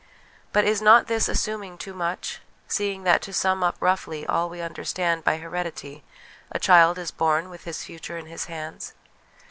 But is not this assuming too much, seeing that, to sum up roughly all we under stand by heredity, a child is born with his future in his hands